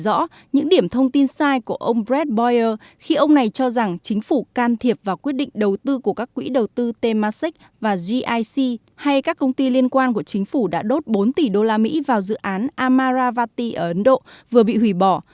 trang facebook của ông đã chỉ rõ những điểm thông tin sai của ông brett bauer khi ông này cho rằng chính phủ can thiệp vào quyết định đầu tư của các quỹ đầu tư temasek và gic hay các công ty liên quan của chính phủ đã đốt bốn tỷ đô la mỹ vào dự án amaravati ở ấn độ vừa bị hủy bỏ